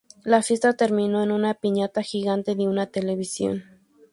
La fiesta terminó con una piñata gigante de una televisión.